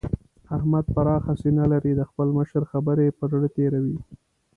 احمد پراخه سينه لري؛ د خپل مشر خبرې پر زړه تېروي.